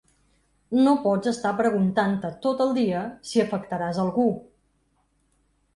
No pots estar preguntant-te tot el dia si afectaràs algú.